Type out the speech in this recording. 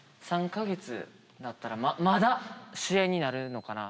３か月だったらまだ試合になるのかな。